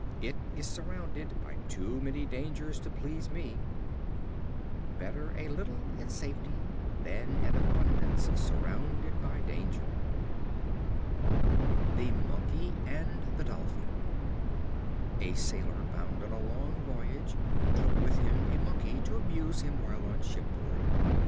It is surrounded by too many dangers to please me." Better a little in safety, than an abundance surrounded by danger. The Monkey and the Dolphin. A Sailor, bound on a long voyage, took with him a Monkey to amuse him while on shipboard.